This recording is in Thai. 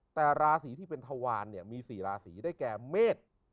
แต่ราศีที่เป็นทวารเนี่ยมี๔ราศีได้แก่เมษ